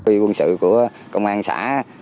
quy quân sự của công an xã